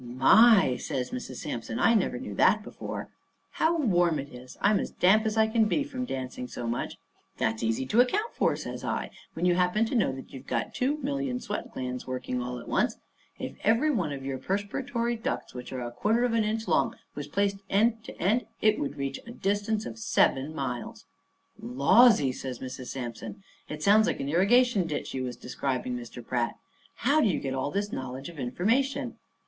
"My!" says Mrs. Sampson. "I never knew that before. How warm it is! I'm as damp as I can be from dancing so much." "That's easy to account for," says I, "when you happen to know that you've got two million sweat glands working all at once. If every one of your perspiratory ducts, which are a quarter of an inch long, was placed end to end, they would reach a distance of seven miles." "Lawsy!" says Mrs. Sampson. "It sounds like an irrigation ditch you was describing, Mr. Pratt. How do you get all this knowledge of information?"